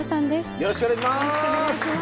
よろしくお願いします。